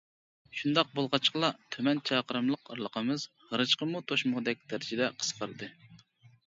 شۇنداق بولغاچقىلا تۈمەن چاقىرىملىق ئارىلىقىمىز غېرىچقىمۇ توشمىغۇدەك دەرىجىدە قىسقاردى.